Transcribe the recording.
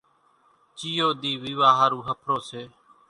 ڄيئو ۮِي ويوا ۿارُو ۿڦرو سي۔